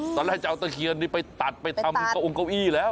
ตอนแรกจะเอาตะเคียนนี้ไปตัดไปทำเก้าองเก้าอี้แล้ว